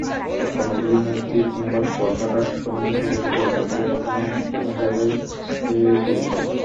কর্ণফুলী নদীতীর কিংবা কুয়াকাটা সমুদ্রসৈকতের জমি দখলের ঘটনা অন্য কোনো জায়গার চেয়ে গুরুতর।